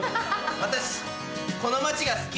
私この町が好き。